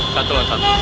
satu lawan satu